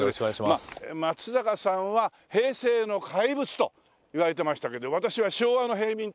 松坂さんは平成の怪物といわれてましたけど私は昭和の平民という事でね。